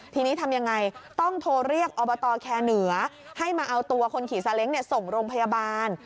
ทีนี้ทำยังไงต้องโทรเรียกอบตแคร์เหนือให้มาเอาตัวคนขี่ซาเล้งส่งโรงพยาบาล